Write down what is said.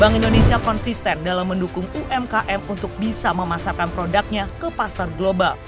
bank indonesia konsisten dalam mendukung umkm untuk bisa memasarkan produknya ke pasar global